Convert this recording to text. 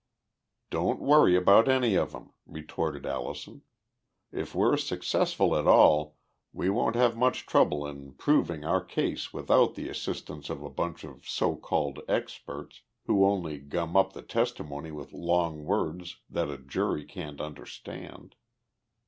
"Don't worry about any of 'em," retorted Allison. "If we're successful at all we won't have much trouble in proving our case without the assistance of a bunch of so called experts who only gum up the testimony with long words that a jury can't understand.